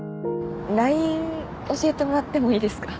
ＬＩＮＥ教えてもらってもいいですか？